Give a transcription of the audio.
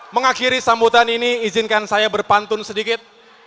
mengakhiri sambutan ini izinkan saya berpantun sedikit